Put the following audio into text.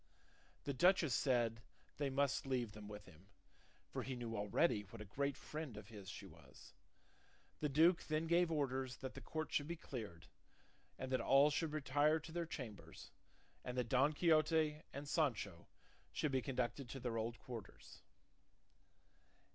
The duchess said they must leave them with him; for he knew already what a great friend of his she was. The duke then gave orders that the court should be cleared, and that all should retire to their chambers, and that Don Quixote and Sancho should be conducted to their old quarters.